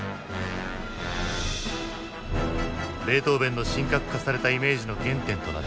ベートーヴェンの神格化されたイメージの原点となった会話帳。